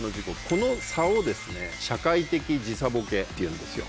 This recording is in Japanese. この差を社会的時差ボケっていうんですよ。